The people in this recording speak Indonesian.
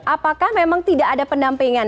apakah memang tidak ada pendampingan